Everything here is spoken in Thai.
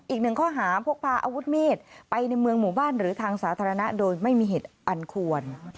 อีกหนึ่งข้อหาพกพาอาวุธมีดไปในเมืองหมู่บ้านหรือทางสาธารณะโดยไม่มีเหตุอันควร